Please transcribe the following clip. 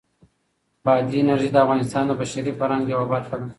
بادي انرژي د افغانستان د بشري فرهنګ یوه برخه ده.